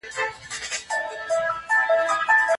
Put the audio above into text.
آیا د مدرسو موخه د واقعیت بیانول وو؟